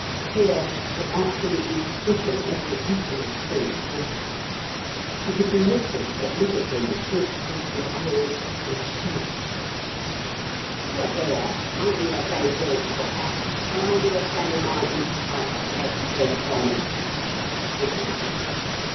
Fear had absolutely stricken every atom of strength from her. She could do nothing but look at him with big, frightened eyes, and shake. "Look 'ere, aren't you a goin' to do it quiet, or are you a goin' to mike me tike the blessed thing from you?" he asked.